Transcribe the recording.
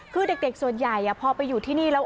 คือเด็กส่วนใหญ่พอไปอยู่ที่นี่แล้ว